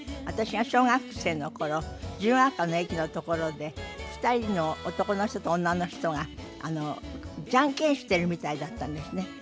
私が小学生の頃自由が丘の駅のところで２人の男の人と女の人がジャンケンしているみたいだったんですね。